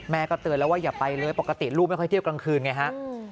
เตือนแล้วว่าอย่าไปเลยปกติลูกไม่ค่อยเที่ยวกลางคืนไงฮะ